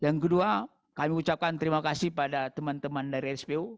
yang ke dua kami ucapkan terima kasih kepada teman teman dari spu